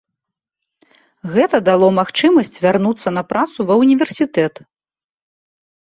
Гэта дало магчымасць вярнуцца на працу ва ўніверсітэт.